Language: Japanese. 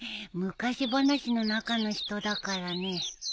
昔話の中の人だからねえ。